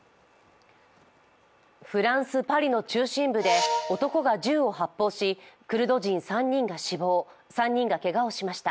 フランス・パリの中心部で男が銃を発砲しクルド人３人が死亡、３人がけがをしました。